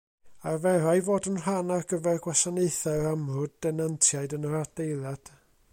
Arferai fod yn rhan ar gyfer gwasanaethau'r amryw denantiaid yn yr adeilad.